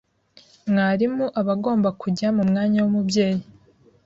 mwarimu aba agomba kujya mumwanya wumubyeyi